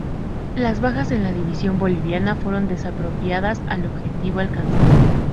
Las bajas en la división boliviana fueron desproporcionadas al objetivo alcanzado.